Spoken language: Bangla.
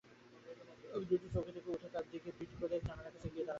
আমি দ্রুত চৌকি থেকে উঠে তার দিকে পিঠ করে জানালার কাছে গিয়ে দাঁড়ালুম।